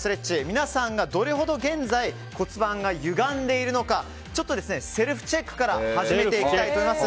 皆さんがどれほど現在、骨盤がゆがんでいるのかちょっとセルフチェックから始めていきたいと思います。